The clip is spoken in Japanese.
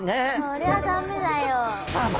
そりゃ駄目だよ。